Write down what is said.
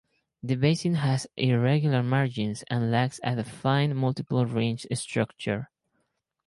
The basin has irregular margins and lacks a defined multiple-ringed structure.